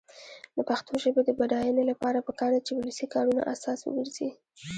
د پښتو ژبې د بډاینې لپاره پکار ده چې ولسي کارونه اساس وګرځي.